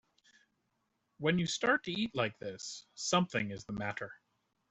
When you start to eat like this something is the matter.